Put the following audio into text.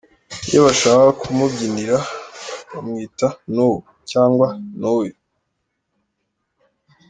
Iyo bashaka ku mubyinirira bamwita ‘No’ cyangwa ‘Noey’.